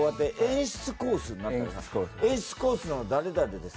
演出コースの誰々です